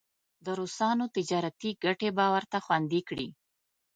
د روسانو تجارتي ګټې به ورته خوندي کړي.